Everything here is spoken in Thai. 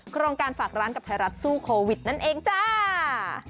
โครงการฝากร้านกับไทยรัฐสู้โควิดนั่นเองจ้า